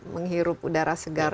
menghirup udara segar